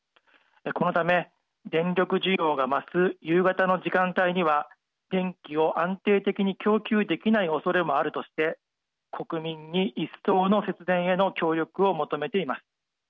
このため電力需要が増す夕方の時間帯には電気を安定的に供給できないおそれもあるとして国民に一層の節電への協力を求めています。